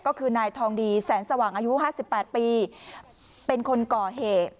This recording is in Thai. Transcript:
ก็คือนายทองดีแสงสว่างอายุ๕๘ปีเป็นคนก่อเหตุ